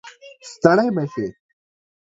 ستړی مشې